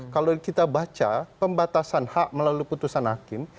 kalau kita baca pembatasan hak melalui putusan hakim